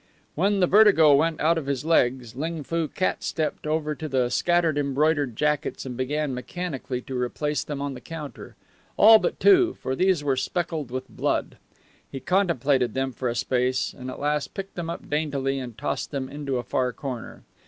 When the vertigo went out of his legs, Ling Foo cat stepped over to the scattered embroidered jackets and began mechanically to replace them on the counter all but two, for these were speckled with blood. He contemplated them for a space, and at last picked them up daintily and tossed them into a far corner.